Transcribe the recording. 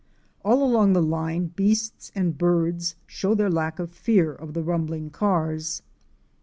All along the line, beasts and birds show their lack of fear of the rumbling cars.